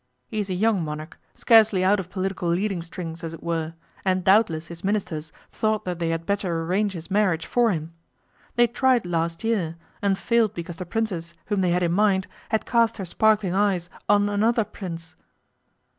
He is a young monarch, scarcely out of political leading strings, as it were, and doubtless his Ministers thought that they had better arrange his marriage for him. They tried last year, and failed because the Princess whom they had in mind had cast her sparkling eyes on another Prince.